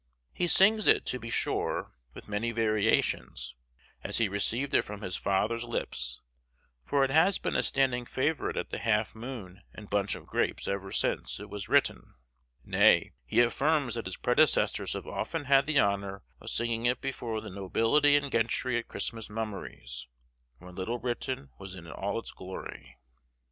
He sings it, to be sure, with many variations, as he received it from his father's lips; for it has been a standing favorite at the Half Moon and Bunch of Grapes ever since it was written; nay, he affirms that his predecessors have often had the honor of singing it before the nobility and gentry at Christmas mummeries, when Little Britain was in all its glory.